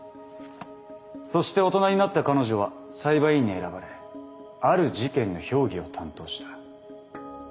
そして大人になった彼女は裁判員に選ばれある事件の評議を担当した。